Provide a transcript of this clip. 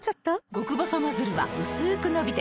極細ノズルはうすく伸びて